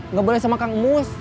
nggak boleh sama kang emis